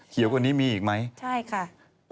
เขียวกว่านี้มีอีกมั้ยใช่ค่ะอืม